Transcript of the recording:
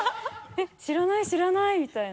「えっ知らない知らない」みたいな。